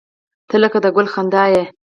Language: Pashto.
• ته لکه د ګل خندا یې.